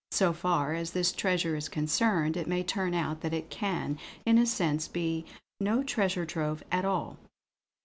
So far as this treasure is concerned, it may turn out that it can, in a sense, be no treasure trove at all."